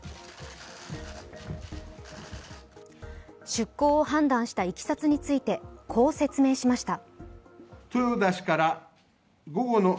出航を判断したいきさつについてこう説明しました。